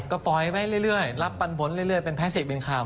ก็ปล่อยไปเรื่อยรับปันบนเรื่อยเป็นแพสิกเป็นข่าว